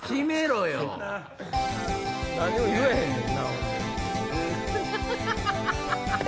何も言えへんねんな。